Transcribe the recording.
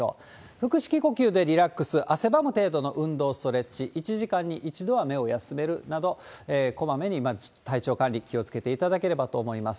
腹式呼吸でリラックス、汗ばむ運動、ストレッチ、１時間に１度は目を休めるなど、こまめに体調管理気をつけていただければと思います。